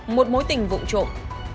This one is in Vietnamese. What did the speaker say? một mối tình vụn trộm